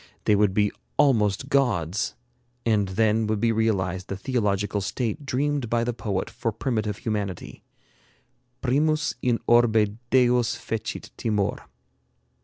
They would be almost gods, and then would be realized the theological state dreamed by the poet for primitive humanity: 'Primus in orbe Deos fecit timor.'"